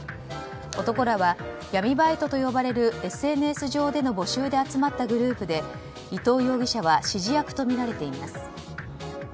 男らは闇バイトと呼ばれるＳＮＳ上での募集で集まったグループで伊藤容疑者は指示役とみられています。